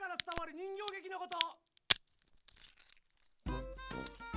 人形げきのこと。